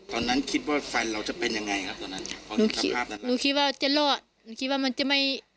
ตอนนั้นคิดว่าแฟนเราจะเป็นยังไงครับตอนนั้นคิดภาพนะครับหนูคิดว่าจะรอดหนูคิดว่ามันจะไม่